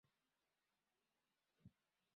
maambukizi yanabaki kuwa kati ya wanaume na wanawake